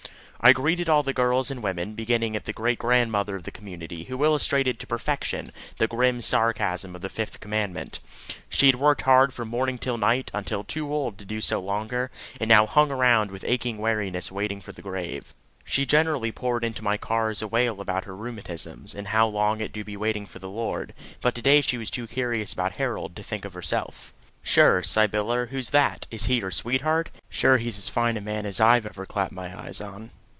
I greeted all the girls and women, beginning at the great grandmother of the community, who illustrated to perfection the grim sarcasm of the fifth commandment. She had worked hard from morning till night, until too old to do so longer, and now hung around with aching weariness waiting for the grave. She generally poured into my ears a wail about her "rheumatisms", and "How long it do be waiting for the Lord"; but today she was too curious about Harold to think of herself. "Sure, Sybyller, who's that? Is he yer sweetheart? Sure he's as fine a man as iver I clapped me eyes on."